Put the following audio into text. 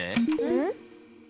ん？